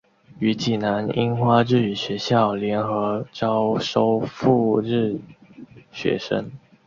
与济南樱花日语学校联合招收赴日学生。